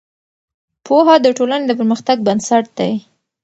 پوهه د ټولنې د پرمختګ بنسټ دی.